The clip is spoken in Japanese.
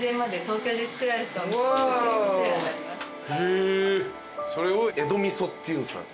へえそれを江戸味噌っていうんすか。